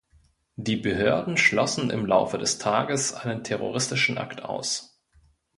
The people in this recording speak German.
Die Behörden schlossen im Laufe des Tages einen terroristischen Akt aus.